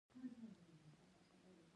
کلتور د افغانستان د زرغونتیا نښه ده.